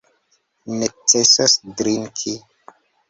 Necesos drinki.